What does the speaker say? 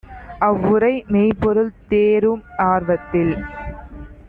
அவ்வுரை மெய்ப்பொருள் தேரும் ஆர்வத்தில்